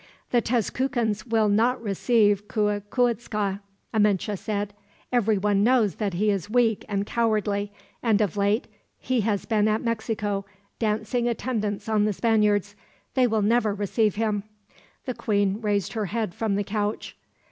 "The Tezcucans will not receive Cuicuitzca," Amenche said. "Everyone knows that he is weak and cowardly, and of late he has been at Mexico, dancing attendance on the Spaniards. They will never receive him." The queen raised her head from the couch.